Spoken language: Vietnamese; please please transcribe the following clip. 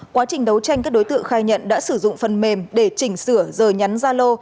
quá trình đấu tranh các đối tượng khai nhận đã sử dụng phần mềm để chỉnh sửa giờ nhắn gia lô